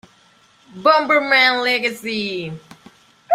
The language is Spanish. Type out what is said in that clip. Bomberman Legacy